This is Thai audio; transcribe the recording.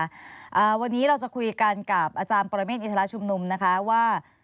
อ่าวันนี้เราจะคุยกันกับอาจารย์ปรเมฆอินทรชุมนุมนะคะว่า